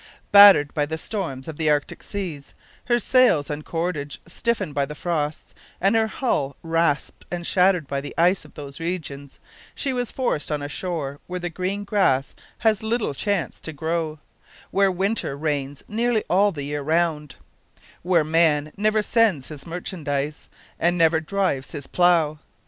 Battered by the storms of the Arctic seas, her sails and cordage stiffened by the frosts, and her hull rasped and shattered by the ice of those regions, she was forced on a shore where the green grass has little chance to grow, where winter reigns nearly all the year round, where man never sends his merchandise, and never drives his plough.